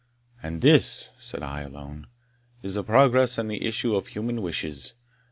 "And this," said I alone, "is the progress and the issue of human wishes!